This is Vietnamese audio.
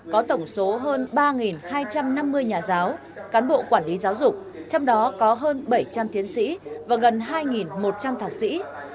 có tổng số hơn ba hai trăm năm mươi nhà giáo cán bộ quản lý giáo dục trong đó có hơn bảy trăm linh thiến sĩ và gần hai một trăm linh thạc sĩ